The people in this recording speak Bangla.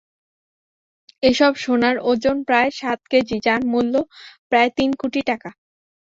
এসব সোনার ওজন প্রায় সাত কেজি, যার মূল্য প্রায় তিন কোটি টাকা।